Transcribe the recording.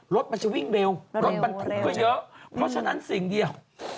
รถมันจะวิ่งเร็วรถบรรทุกก็เยอะเพราะฉะนั้นสิ่งเดียว